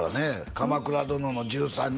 「鎌倉殿の１３人」